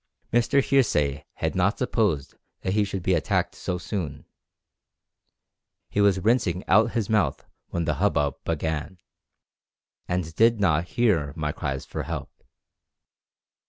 Mr. Hearsay had not supposed that he should be attacked so soon; he was rinsing out his mouth when the hubbub began, and did not hear my cries for help.